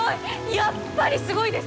やっぱりすごいです！